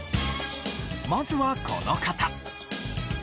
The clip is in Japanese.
まずはこの方。